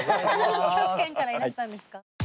北極圏からいらしたんですか？